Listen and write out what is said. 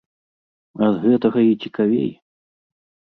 Ад гэтага і цікавей!